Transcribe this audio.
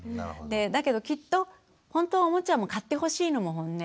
だけどきっとほんとはおもちゃも買ってほしいのもホンネ。